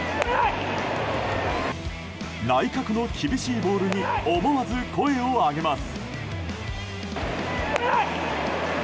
内角の厳しいボールに思わず声を上げます。